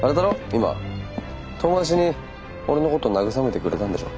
今遠回しに俺のこと慰めてくれたんでしょ？